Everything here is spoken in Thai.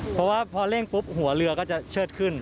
เพราะว่าพอเร่งปุ๊บหัวเรือก็จะเชิดขึ้น